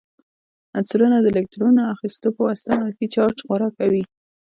عنصرونه د الکترون اخیستلو په واسطه منفي چارج غوره کوي.